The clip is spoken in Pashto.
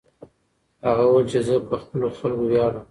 هغه وویل چې زه په خپلو خلکو ویاړم.